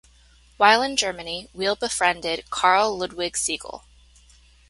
While in Germany, Weil befriended Carl Ludwig Siegel.